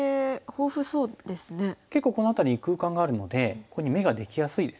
結構この辺りに空間があるのでここに眼ができやすいですよね。